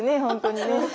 本当にね。